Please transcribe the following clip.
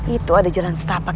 itu ada jalan setapak